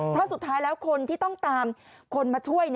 เพราะสุดท้ายแล้วคนที่ต้องตามคนมาช่วย